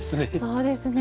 そうですね。